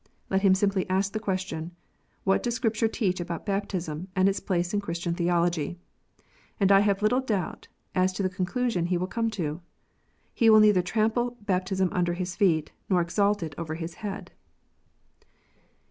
Let him simply ask the question, " What does Scripture teach about baptism, and its place in Christian theology ?" and I have little doubt as to the conclusion he will come to. He will neither trample baptism under his feet, nor exalt it over his head.